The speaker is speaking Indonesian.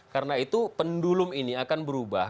karena itu pendulum ini akan berubah